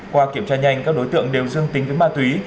qua kiểm tra nhanh các đối tượng đều dương tính với ma túy